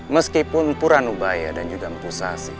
meskipun mpuranubaya dan juga mpusasi